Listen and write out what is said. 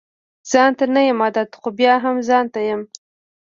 ځانته نه يم عادت خو بيا هم ځانته يم